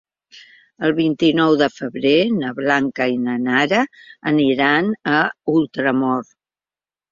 El vint-i-nou de febrer na Blanca i na Nara aniran a Ultramort.